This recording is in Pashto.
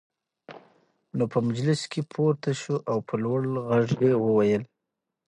نو په مجلس کې پورته شو او په لوړ غږ يې وويل: